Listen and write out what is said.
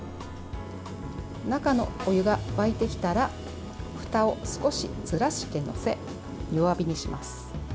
中のお湯が沸いてきたらふたを少しずらして乗せ弱火にします。